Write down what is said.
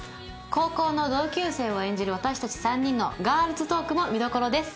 高校の同級生を演じる私たち３人のガールズトークも見どころです。